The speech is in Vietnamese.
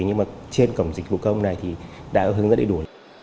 nhưng mà trên cổng dịch vụ công này thì đã hướng rất đầy đủ